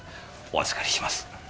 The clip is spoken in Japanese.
お預かりします。